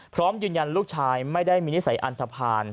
พร้อมยืนยันลูกชายไม่ได้มีนิสัยอันทภาณ